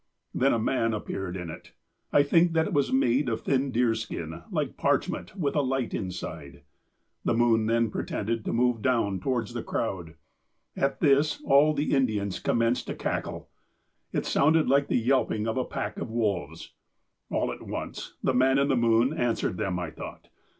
Then a man appeared in it. " I think that it was made of thin deer skin, like parchment, with a light inside. " The moon then pretended to move down towards the crowd. At this all the Indians commenced to cackle. It sounded like the yelping of a pack of wolves. All at once, the man in the moon answered them, I thought.